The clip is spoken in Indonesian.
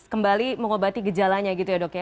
kembali mengobati gejalanya gitu ya dok ya